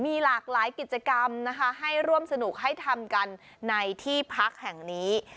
มีหลากหลายกิจกรรมนะคะให้ร่วมสนุกให้ทำกันในที่พักแห่งนี้